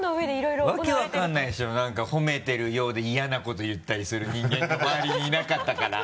なんか褒めてるようで嫌なこと言ったりする人間が周りにいなかったから。